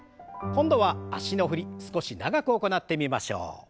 今度は脚の振り少し長く行ってみましょう。